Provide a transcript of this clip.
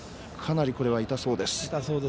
かなり、これは痛そうです。